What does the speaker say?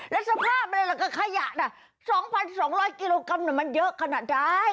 และสภาพเวลาก็ขยะน่ะ๒๒๐๐กิโลกรัมมันเยอะขนาดไหน